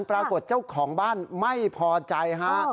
ปรากฏเจ้าของบ้านไม่พอใจฮะ